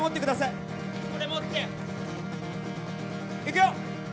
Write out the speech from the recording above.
いくよ！